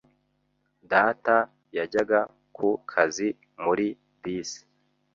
Data yajyaga ku kazi muri bisi.